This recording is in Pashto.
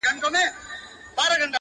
دریم پوښتنه د سرکار او د جهاد کوله!.